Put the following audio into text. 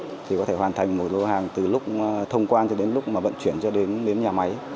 thì có thể hoàn thành một lô hàng từ lúc thông quan cho đến lúc mà vận chuyển cho đến nhà máy